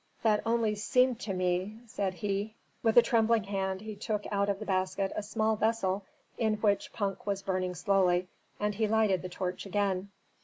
"That only seemed to me!" said he. With a trembling hand he took out of the basket a small vessel in which punk was burning slowly, and he lighted the torch again.